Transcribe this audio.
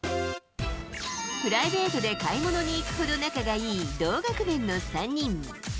プライベートで買い物に行くほど仲がいい同学年の３人。